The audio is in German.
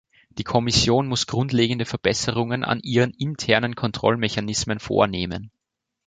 Die Kommission muss grundlegende Verbesserungen an ihren internen Kontrollmechanismen vornehmen.